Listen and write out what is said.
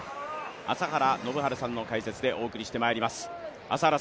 朝原宣治さんの解説でお送りしてまいります。